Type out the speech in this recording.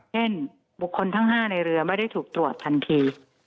เช่นบุคคลทั้ง๕ในเรือไม่ได้ถูกตรวจทันที